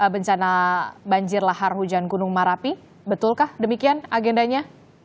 bencana banjir lahar hujan gunung merapi betulkah demikian agendanya